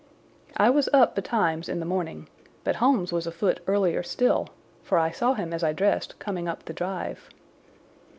I was up betimes in the morning, but Holmes was afoot earlier still, for I saw him as I dressed, coming up the drive.